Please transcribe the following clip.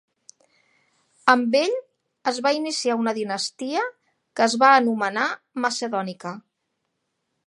Amb ell es va iniciar una dinastia que es va anomenar macedònica.